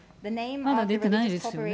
まだ出てないですよね。